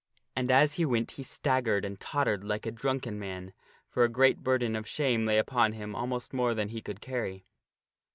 And as he went he staggered and tottered like a drunken man, for a great burden of shame lay upon him almost more than he could carry.